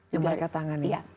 yang mereka tangani